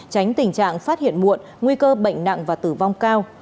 tránh tình trạng phát hiện muộn nguy cơ bệnh nặng và tử vong cao